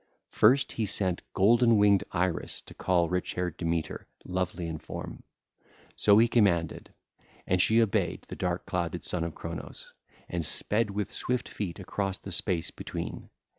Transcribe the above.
First he sent golden winged Iris to call rich haired Demeter, lovely in form. So he commanded. And she obeyed the dark clouded Son of Cronos, and sped with swift feet across the space between.